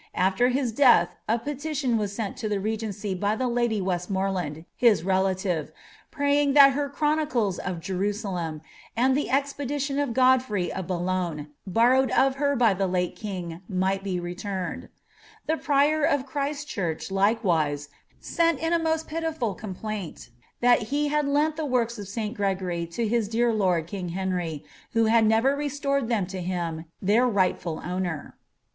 AAer lii« death a peiition wan *cni lo lite rr^ncy by the lady Westmoreland, his relaUVf, praying that l»r *■ Chronicles of JeruMlern," and the •■ Rtpedilion uf tiodfrey uT BoO' logne," burrowed of her by the laie kiiii;, might be returned. Thf prior of CliriBithurvh. likewise, sent in a moat pitiful euniplninl, thai hi bad lent the works of St. Gregory lo his ilear lord, lujig Henry, wfco lud never restored them to him, tlirir rightful ownpr.